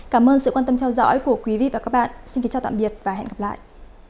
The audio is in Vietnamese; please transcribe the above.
cảm ơn sự quan tâm theo dõi của quý vị và các bạn xin kính chào tạm biệt và hẹn gặp lại